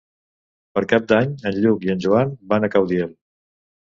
Per Cap d'Any en Lluc i en Joan van a Caudiel.